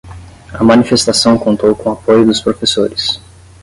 A manifestação contou com apoio dos professores